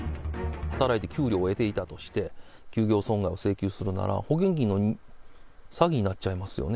働いて給料を得ていたとして、休業損害を請求するなら、保険金の詐欺になっちゃいますよね。